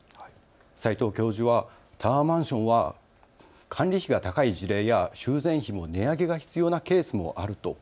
齊藤教授はタワーマンションは管理費が高い事例や修繕費も値上げが必要なケースもあると。